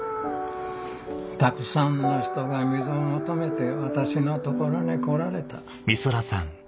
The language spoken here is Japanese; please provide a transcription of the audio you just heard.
たくさんの人が水を求めて私のところに来られた」。